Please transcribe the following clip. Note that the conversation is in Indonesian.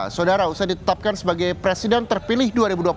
saudara usai ditetapkan sebagai presiden terpilih dua ribu dua puluh